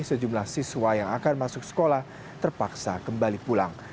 sejumlah siswa yang akan masuk sekolah terpaksa kembali pulang